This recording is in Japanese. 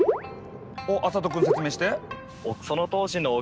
おっあさと君説明して。